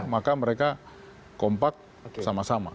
maka mereka kompak sama sama